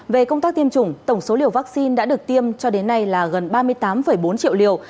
về công tác tiêm chủng tổng số liều vaccine đã được tiêm cho đến nay là gần ba mươi tám bốn triệu liều